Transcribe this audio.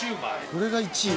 これが１位？